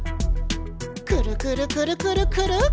くるくるくるくるくる！